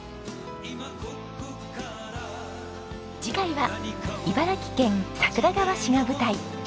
次回は茨城県桜川市が舞台。